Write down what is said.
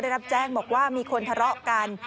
ได้รับแจ้งบอกว่ามีคนทะเลาะกัน